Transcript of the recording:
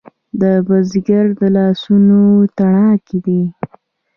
د بزګر لاسونه تڼاکې دي؟